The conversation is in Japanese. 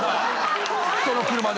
人の車で。